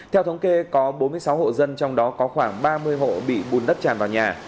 theo thống kê có bốn mươi sáu hộ dân trong đó có khoảng ba mươi hộ bị bùn đất tràn vào nhà